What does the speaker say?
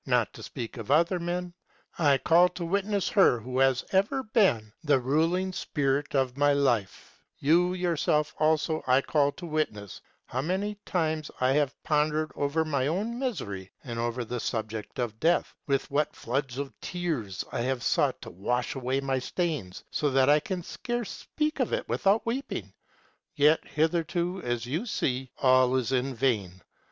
Not to speak of other men, I call to witness Her who has ever been the ruling spirit of my life; you yourself also I call to witness how many times I have pondered over my own misery and over the subject of Death; with what floods of tears I have sought to wash away my stains, so that I can scarce speak of it without weeping; yet hitherto, as you see, all is in vain.